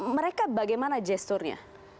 mereka bagaimana gesturnya